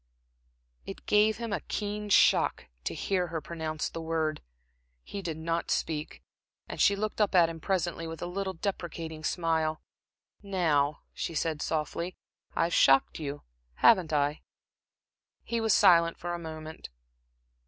It gave him a keen shock to hear her pronounce the word. He did not speak, and she looked up at him presently with a little, deprecating smile. "Now," she said, softly "I've shocked you, haven't I?" He was silent for a moment.